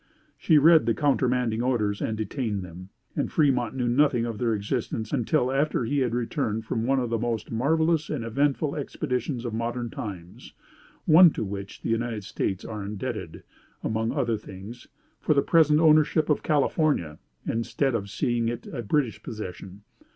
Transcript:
She read the countermanding orders and detained them! and Fremont knew nothing of their existence, until after he had returned from one of the most marvellous and eventful expeditions of modern times one to which the United States are indebted (among other things) for the present ownership of California, instead of seeing it a British possession.